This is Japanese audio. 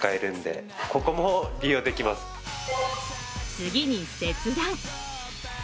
次に切断。